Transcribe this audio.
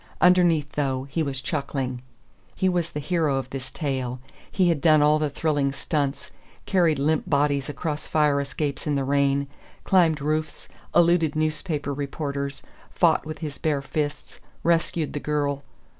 Underneath, though, he was chuckling. He was the hero of this tale; he had done all the thrilling stunts, carried limp bodies across fire escapes in the rain, climbed roofs, eluded newspaper reporters, fought with his bare fists, rescued the girl....